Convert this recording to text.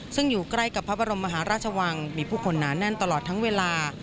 ซึ่งอยู่ใกล้กับพระบรมมหาราชวังมีผู้คนหนาแน่นตลอดทั้งเวลา